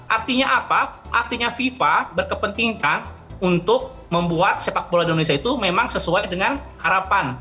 artinya apa artinya fifa berkepentingan untuk membuat sepak bola di indonesia itu memang sesuai dengan harapan